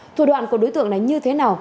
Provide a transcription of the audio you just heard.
thủ đoạn của đối tượng này như thế nào